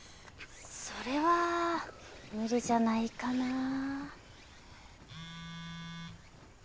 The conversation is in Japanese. それは無理じゃないかなぁ。